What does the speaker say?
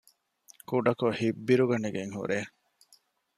ކުޑަކޮށް ހިތްބިރުގަނެގެން ހުރޭ